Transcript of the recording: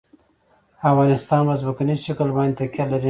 افغانستان په ځمکنی شکل باندې تکیه لري.